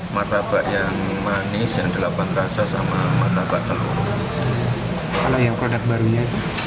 nanti markobar keluar lagi gak jenis kahannya